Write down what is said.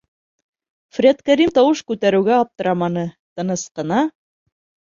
Фред-Кәрим тауыш күтәреүгә аптыраманы, тыныс ҡына: